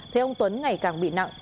thế ông tuấn ngày càng bị nặng